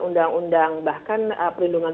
undang undang bahkan perlindungan